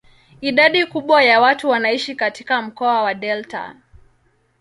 Idadi kubwa ya watu wanaishi katika mkoa wa delta.